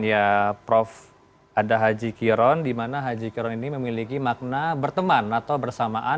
ya prof ada haji kiron di mana haji kiron ini memiliki makna berteman atau bersamaan